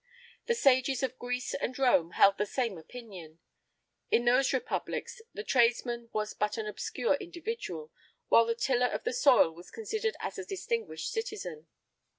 The sages of Greece and Rome held the same opinion: in those republics the tradesman was but an obscure individual, while the tiller of the soil was considered as a distinguished citizen.